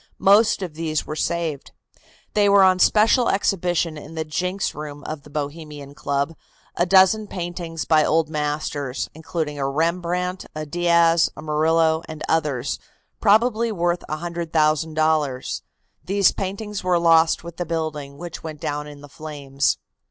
Most of these were saved. There were on special exhibition in the "Jinks" room of the Bohemian Club a dozen paintings by old masters, including a Rembrandt, a Diaz, a Murillo and others, probably worth $100,000. These paintings were lost with the building, which went down in the flames.